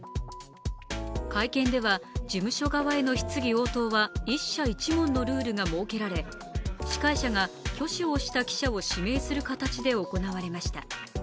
会見では事務所側への質疑応答は１社１問のルールが設けられ司会者が挙手をした記者を指名する形で行われました。